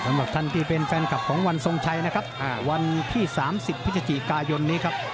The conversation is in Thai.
ฉันบอกฉันที่เป็นแฟนกับของวัลสงสไชวันที่๓๐พิศสิกายนนี้ครับ